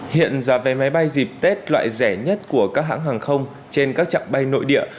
hiện giá vé máy bay dịp tết loại rẻ nhất của các hãng hàng không trên các trạng bay nội địa